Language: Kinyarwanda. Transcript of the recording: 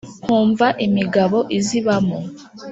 nkumva imigabo izibamo